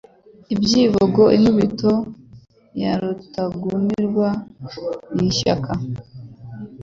Ibyivugo-Inkubito ya Rutagumirwa n' ishyaka.